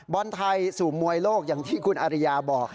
บอลไทยสู่มวยโลกอย่างที่คุณอริยาบอก